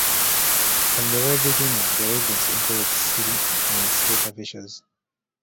From the very beginning, the residents included city and state officials.